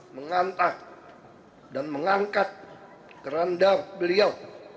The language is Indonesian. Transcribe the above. mengantar dan mengangkat kerandar beliau